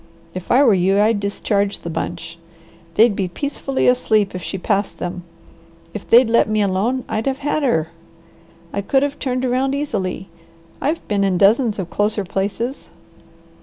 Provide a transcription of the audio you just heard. If I were you I'd discharge the bunch. They'd be peacefully asleep if she passed them. If they'd let me alone, I'd have had her. I could have turned around easily. I've been in dozens of closer places."